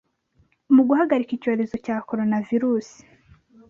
mu guhagarika icyorezo cya Coronavirus